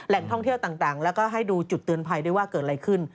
ท่องเที่ยวต่างแล้วก็ให้ดูจุดเตือนภัยด้วยว่าเกิดอะไรขึ้น